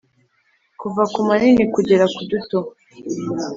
kuva ku manini kugera ku duto